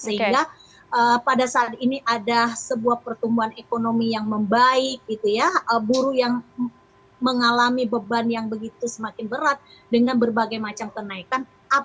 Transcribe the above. sehingga pada saat ini ada sebuah pertumbuhan ekonomi yang membaik buruh yang mengalami beban yang begitu semakin berat dengan berbagai macam kenaikan